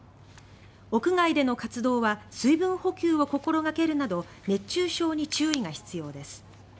屋外での活動は水分補給を心掛けるなど熱中症に注意が必要です。